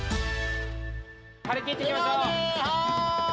張り切っていきましょう。